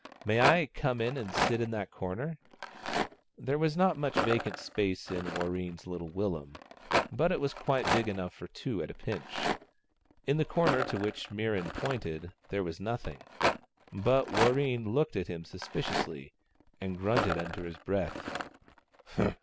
May I come in and sit in that corner ?" There was not much vacant space in Warreen's little willum, but it was quite big enough for two at a pinch. In the corner to which Mirran pointed there was nothing. But Warreen looked at him suspiciously, and grunted under his breath.